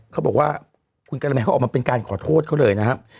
เขาบอกว่าคุณกะละแมนเขาออกมาเป็นการขอโทษเขาเลยนะครับ